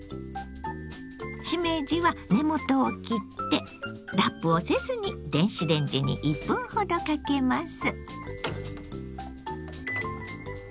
しめじは根元を切ってラップをせずに電子レンジに１分ほどかけます。